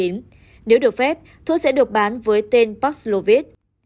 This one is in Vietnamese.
nếu được phép thuốc sẽ được bán với tên paxlovit